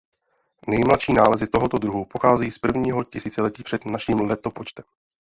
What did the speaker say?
Nejmladší nálezy tohoto druhu pocházejí z prvního tisíciletí před naším letopočtem.